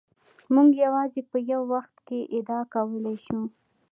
موږ یوازې په یو وخت کې ادعا کولای شو.